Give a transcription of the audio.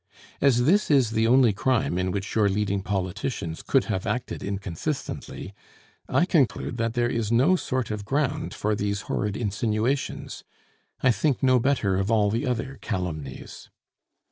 As this is the only crime in which your leading politicians could have acted inconsistently, I conclude that there is no sort of ground for these horrid insinuations. I think no better of all the other calumnies.